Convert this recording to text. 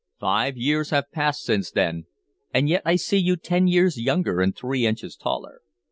Five years have passed since then, and yet I see you ten years younger and three inches taller."